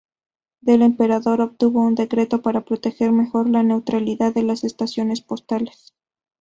Del emperador, obtuvo un decreto para proteger mejor la neutralidad de las estaciones postales.